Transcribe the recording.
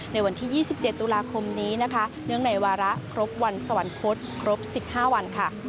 ในวันที่๒๗ตุลาคมนี้นะคะเนื่องในวาระครบวันสวรรคตครบ๑๕วันค่ะ